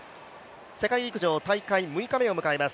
世界陸上大会６日目を迎えます。